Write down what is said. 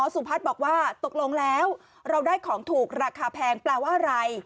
สุพัฒน์บอกว่าตกลงแล้วเราได้ของถูกราคาแพงแปลว่าอะไร